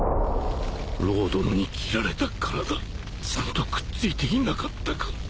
ロー殿に斬られた体ちゃんとくっついていなかったか